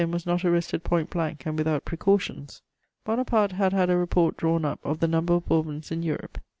] The Duc d'Enghien was not arrested point blank and without precautions: Bonaparte had had a report drawn up of the number of Bourbons in Europe.